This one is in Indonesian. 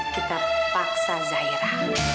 kita paksa zahira